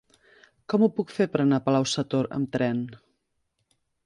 Com ho puc fer per anar a Palau-sator amb tren?